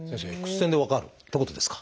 Ｘ線で分かるってことですか？